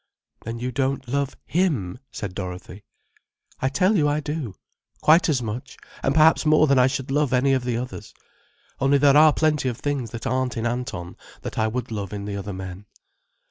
"Then you don't love him," said Dorothy. "I tell you I do;—quite as much, and perhaps more than I should love any of the others. Only there are plenty of things that aren't in Anton that I would love in the other men."